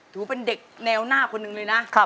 ถือเป็นเด็กแนวหน้าคนหนึ่งเลยนะ